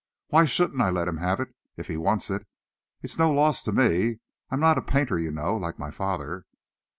Why shouldn't I let him have it if he wants it? It's no loss to me. I'm not a painter, you know, like my father."